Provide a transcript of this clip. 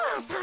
それ！